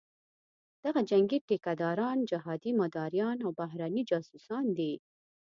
دغه جنګي ټیکه داران، جهادي مداریان او بهرني جاسوسان دي.